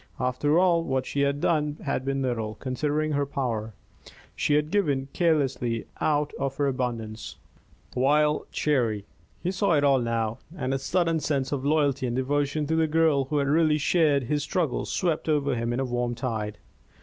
After all, what she had done had been little, considering her power. She had given carelessly, out of her abundance, while Cherry He saw it all now, and a sudden sense of loyalty and devotion to the girl who had really shared his struggles swept over him in a warm tide.